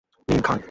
নিন, খান।